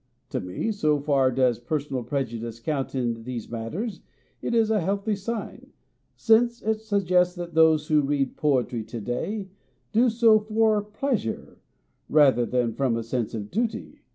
To me so far does personal prejudice count in these matters it is a healthy sign, since it suggests that those who read poetry to day do so for pleasure rather than from a sense of duty.